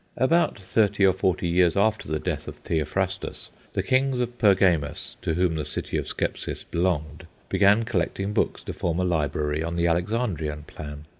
About thirty or forty years after the death of Theophrastus, the kings of Pergamus, to whom the city of Scepsis belonged, began collecting books to form a library on the Alexandrian plan.